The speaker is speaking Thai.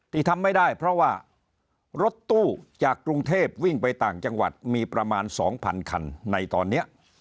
ทำไม่ได้เพราะว่ารถตู้จากกรุงเทพวิ่งไปต่างจังหวัดมีประมาณ๒๐๐คันในตอนนี้